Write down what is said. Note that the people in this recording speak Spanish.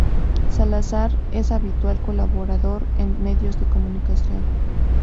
Salazar es habitual colaborador en medios de comunicación.